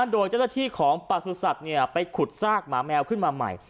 โดยเจ้าตะที่ของประสุทธิ์สัตว์เนี่ยไปขุดซากหมาแมวขึ้นมาใหม่